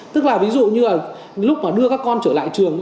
tức là ví dụ như là lúc mà đưa các con trở lại trường